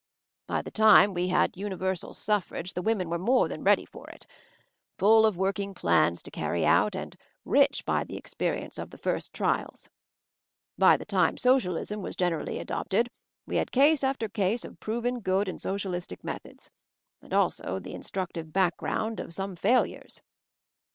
' "By the time we had universal suffrage / the women were more than ready for it, full of working plans to carry out, and rich by the experience of the first trials. "By the time Socialism was generally adopted we had case after case of proven ' good in Socialistic methods; and also the instructive background of some failures."